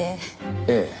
ええ。